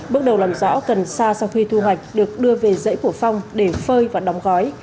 bước đầu làm rõ cần sa sau khi thu hoạch được đưa về dãy của phong để phơi và đóng gói